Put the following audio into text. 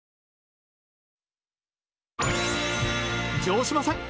城島さん